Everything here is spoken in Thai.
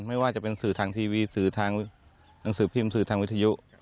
ไม่ว่าจะเป็นสื่อทางทีวีสื่อทางหนังสือพิมพ์สื่อทางวิทยุ